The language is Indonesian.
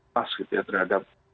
pas gitu ya terhadap